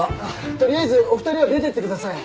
取りあえずお二人は出てってください。